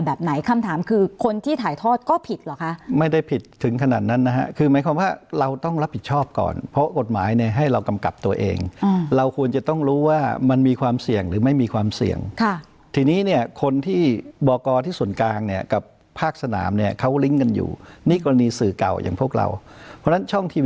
แบบไหนคำถามคือคนที่ถ่ายทอดก็ผิดเหรอคะไม่ได้ผิดถึงขนาดนั้นนะฮะคือหมายความว่าเราต้องรับผิดชอบก่อนเพราะกฎหมายเนี่ยให้เรากำกับตัวเองเราควรจะต้องรู้ว่ามันมีความเสี่ยงหรือไม่มีความเสี่ยงค่ะทีนี้เนี่ยคนที่บอกกรที่ส่วนกลางเนี่ยกับภาคสนามเนี่ยเขาลิงก์กันอยู่นี่กรณีสื่อเก่าอย่างพวกเราเพราะฉะนั้นช่องที